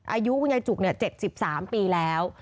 อายุคุณยายจุ๊กเนี่ย๗๓ปีแล้ว